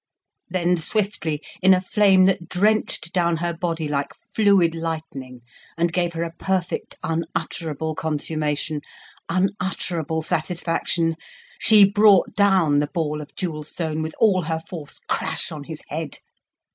Then swiftly, in a flame that drenched down her body like fluid lightning and gave her a perfect, unutterable consummation, unutterable satisfaction, she brought down the ball of jewel stone with all her force, crash on his head.